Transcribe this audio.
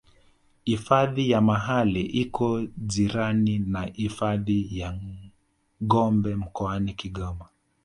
hifadhi ya mahale iko jirani na hifadhi ya gombe mkoani kigoma